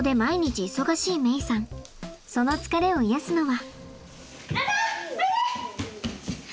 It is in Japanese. その疲れを癒やすのは。